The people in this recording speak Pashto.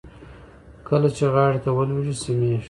کله چې غاړې ته ولوېږي سميږي.